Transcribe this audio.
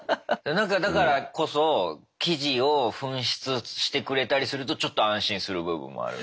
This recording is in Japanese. なんかだからこそ生地を紛失してくれたりするとちょっと安心する部分もある。